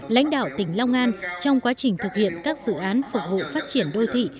lãnh đạo tỉnh long an trong quá trình thực hiện các dự án phục vụ phát triển đô thị